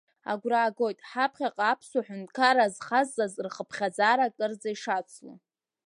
Агәра аагоит ҳаԥхьаҟа Аԥсуа Ҳәынҭқарра азхазҵаз рхыԥхьаӡара акырӡа ишацло.